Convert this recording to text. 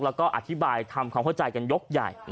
แล้วก็อธิบายทำความเข้าใจกันยกใหญ่